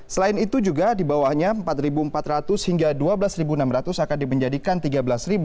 selain itu juga di bawahnya empat empat ratus v ampere hingga dua belas enam ratus v ampere akan dimenjadikan tiga belas v ampere